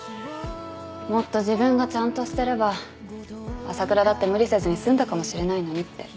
もっと自分がちゃんとしてれば朝倉だって無理せずに済んだかもしれないのにって。